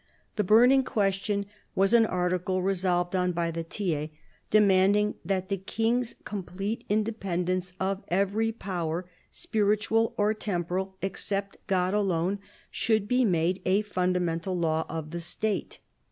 The burning question was an article resolved on by the Tiers, demanding that the King's complete independence of every power, spiritual or temporal, except God alone, should be made "a funda mental law of the State."